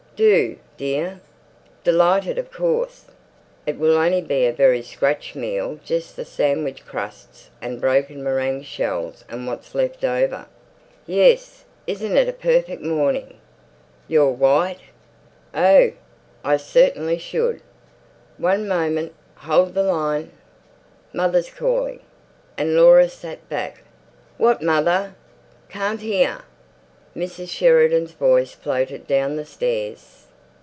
Do, dear. Delighted of course. It will only be a very scratch meal—just the sandwich crusts and broken meringue shells and what's left over. Yes, isn't it a perfect morning? Your white? Oh, I certainly should. One moment—hold the line. Mother's calling." And Laura sat back. "What, mother? Can't hear." Mrs. Sheridan's voice floated down the stairs.